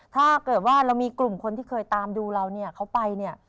ถ้าเกิดว่าเรามีกลุ่มคนที่เคยตามดูเราเนี่ยเขาไปเนี่ย